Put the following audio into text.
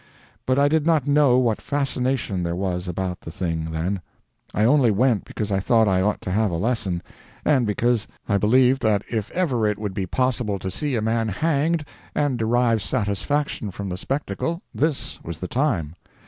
But I did not know what fascination there was about the thing, then. I only went because I thought I ought to have a lesson, and because I believed that if ever it would be possible to see a man hanged, and derive satisfaction from the spectacle, this was the time.